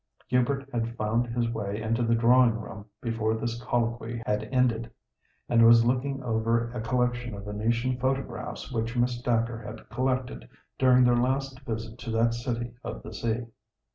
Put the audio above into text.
Hubert had found his way into the drawing room before this colloquy had ended, and was looking over a collection of Venetian photographs which Miss Dacre had collected during their last visit to that city of the sea.